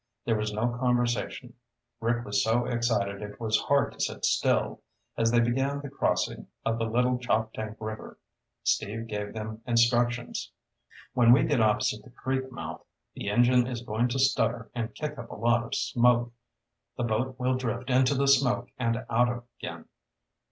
There was no conversation. Rick was so excited it was hard to sit still. As they began the crossing of the Little Choptank River, Steve gave them instructions. "When we get opposite the creek mouth, the engine is going to stutter and kick up a lot of smoke. The boat will drift into the smoke and out again.